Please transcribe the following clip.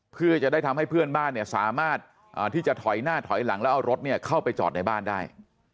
เพื่อจะได้ทำให้เพื่อนบ้านสามารถที่จะถอยหน้าถอยหลังแล้วเอารถเข้าไปจอดในบ้านได้